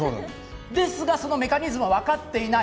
ですが、そのメカニズムは分かっていない。